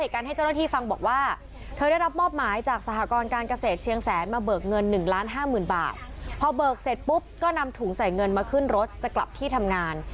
การเกษตรเชียงแสนมาเบิกเงินหนึ่งล้านห้าหมื่นบาทพอเบิกเสร็จปุ๊บก็นำถุงใส่เงินมาขึ้นรถจะกลับที่ทำงาน